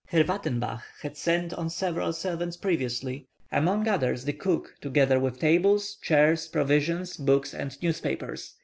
Herr Wattenbach had sent on several servants previously; among others, the cook, together with tables, chairs, provisions, books, and newspapers.